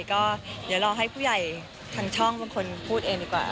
ก็เดี๋ยวรอให้ผู้ใหญ่ทางช่องเป็นคนพูดเองดีกว่า